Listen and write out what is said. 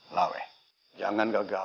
laweh jangan gagal